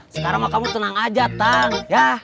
sekarang kamu tenang aja tang